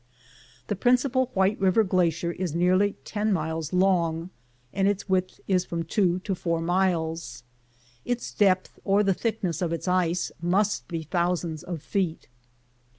The principal White River glacier is nearly ten miles long, and its width is from two to four miles. Its depth, or the thickness of its ice, must be thousands of feet.